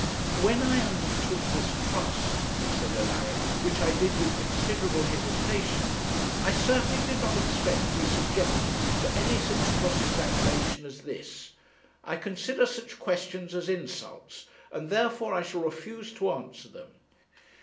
'When I undertook this trust,' said Alaric, 'which I did with considerable hesitation, I certainly did not expect to be subjected to any such cross examination as this. I consider such questions as insults, and therefore I shall refuse to answer them.